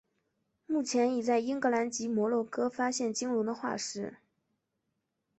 目前已在英格兰及摩纳哥发现鲸龙的化石。